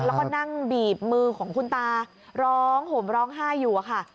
แล้วก็นั่งบีบมือของคุณตาร้องห่มร้องไห้อยู่อะค่ะ